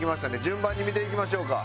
順番に見ていきましょうか。